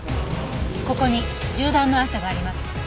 ここに銃弾の痕があります。